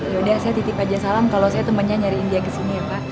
yaudah saya titip aja salam kalau saya temannya nyariin dia kesini ya pak